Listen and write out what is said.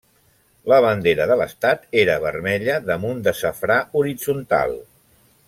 La bandera de l'estat era vermella damunt de safrà horitzontal.